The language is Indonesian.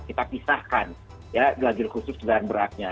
kita pisahkan ya lajur khusus kendaraan beratnya